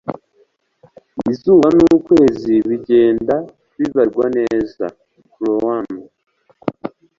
izuba n'ukwezi bigenda bibarwa neza - korowani